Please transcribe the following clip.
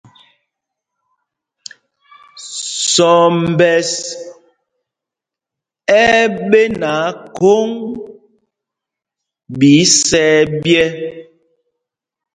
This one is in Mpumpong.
Sɔmbɛs ɛ́ ɛ́ ɓenaa khôŋ ɓɛ isɛ̄ɛ̄ ɓyɛ̄.